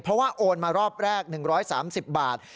เขาโอนมารอบแรก๑๓๐บาท